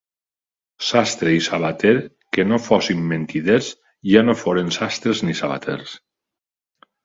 Sastre i sabater que no fossin mentiders, ja no foren sastres ni sabaters.